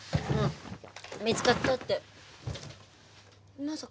見つかったってまさか。